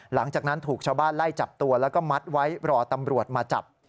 หลังจากนั้นถูกชาวบ้านไล่จับตัวแล้วก็มัดไว้รอตำรวจมาจับ